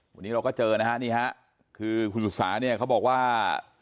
วันนี้เราก็เจอนะฮะนี่ฮะคือคุณสุสาเนี่ยเขาบอกว่า